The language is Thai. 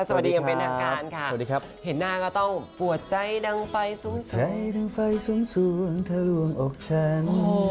สวัสดีค่ะสวัสดีค่ะเห็นหน้าก็ต้องปวดใจดังไฟสูงถ้าร่วงอกฉัน